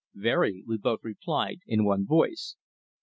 "Very," we both replied in one voice.